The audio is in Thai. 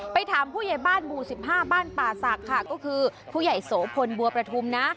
ถามผู้ใหญ่บ้านหมู่๑๕บ้านป่าศักดิ์ค่ะก็คือผู้ใหญ่โสพลบัวประทุมนะ